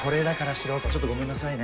ちょっとごめんなさいね」